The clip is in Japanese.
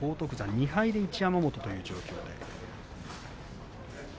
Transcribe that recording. ２敗に一山本ということです。